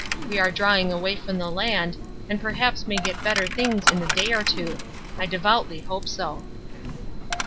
We are drawing away from the land and perhaps may get better things in a day or two. I devoutly hope so.